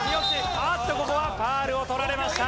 あっとここはファウルを取られました。